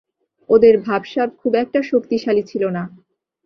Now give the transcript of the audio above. ওদের ভাবসাব খুব একটা শক্তিশালী ছিল না।